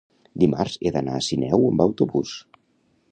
Dimarts he d'anar a Sineu amb autobús.